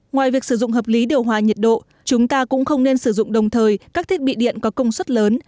ngoài việc sử dụng hợp lý điều hòa nhiệt độ chúng ta cũng không nên sử dụng đồng thời các thiết bị điện có công suất lớn